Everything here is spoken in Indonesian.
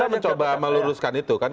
saya mencoba meluruskan itu kan